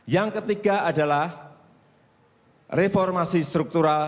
yang ketiga adalah reformasi struktural